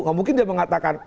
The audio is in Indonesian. gak mungkin dia mengatakan